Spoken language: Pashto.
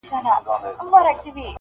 نه یې رنګ نه یې آواز چاته منلی-